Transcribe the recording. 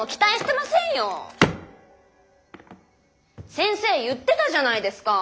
先生言ってたじゃないですか。